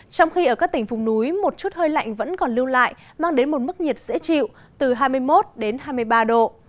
trong khi ở các tỉnh vùng núi một chút hơi lạnh vẫn còn lưu lại mang đến một mức nhiệt dễ chịu từ hai mươi một đến hai mươi ba độ